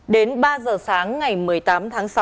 đến ba giờ sáng ngày một mươi tám tháng sáu